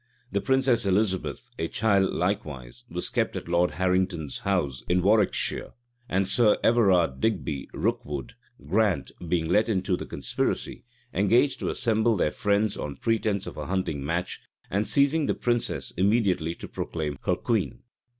The princess Elizabeth, a child likewise, was kept at Lord Harrington's house in Warwickshire; and Sir Everard Digby, Rookwood, Grant, being let into the conspiracy, engaged to assemble their friends on pretence of a hunting match, and seizing that princess, immediately to proclaim her queen.